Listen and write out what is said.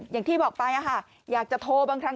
อย่างที่บอกไปอยากจะโทรบางครั้ง